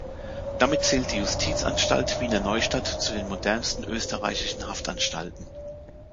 Damit zählt die Justizanstalt Wiener Neustadt zu den modernsten österreichischen Haftanstalten.